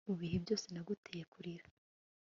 mubihe byose naguteye kurira